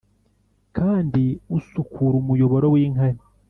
kandi usukura umuyoboro w’inkari.